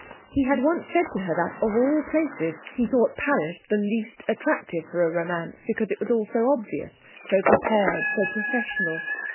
He had once said to her that, of all places, he thought Paris the least attractive for a romance, because it was all so obvious, so prepared, so professional.